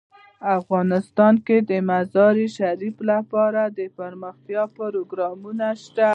افغانستان کې د مزارشریف لپاره دپرمختیا پروګرامونه شته.